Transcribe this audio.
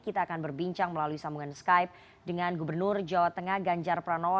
kita akan berbincang melalui sambungan skype dengan gubernur jawa tengah ganjar pranowo